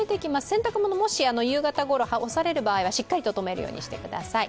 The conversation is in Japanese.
洗濯物、もし夕方頃に干される場合はしっかりと留めるようにしてください。